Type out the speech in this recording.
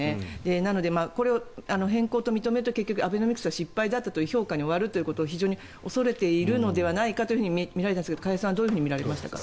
なので、これを変更と認めると結局アベノミクスは失敗だという評価に終わるということを非常に恐れているのではと見られたんですけど加谷さんはどう見られましたか？